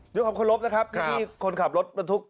ต้องขอบความขอบใจนะครับฯักษ์คุณผู้ขับรถบรรทุก